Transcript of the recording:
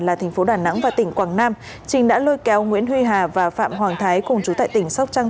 là tp đà nẵng và tỉnh quảng nam trình đã lôi kéo nguyễn huy hà và phạm hoàng thái cùng trú tại tỉnh sóc trăng